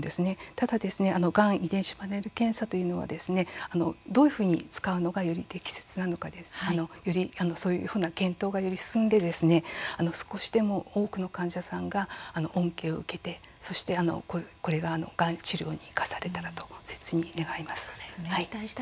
ただ、がん遺伝子パネル検査というのはどういうふうに使うのが適切なのか検討より進んで少しでも多くの患者さんが恩恵を受けてがん治療に生かされたらとせつに願います。